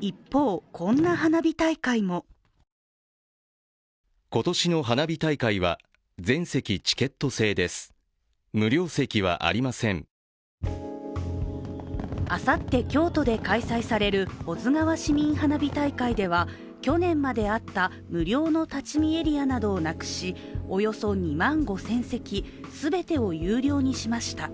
一方、こんな花火大会もあさって京都で開催される保津川市民花火大会では去年まであった無料の立ち見エリアなどをなくしおよそ２万５０００席すべてを有料にしました。